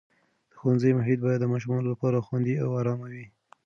د ښوونځي محیط باید د ماشومانو لپاره خوندي او ارام وي.